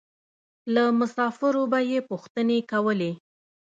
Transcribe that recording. له مسافرو به یې پوښتنې کولې.